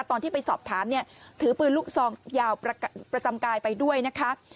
ตอนที่ไปสอบถามเนี่ยถือปืนลูกซองยาวประจำกายไปด้วยนะคะ